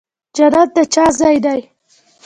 جنت د چا ځای دی؟